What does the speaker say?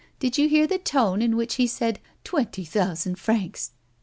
" Did you hear the tone in which he said ' twenty thousand francs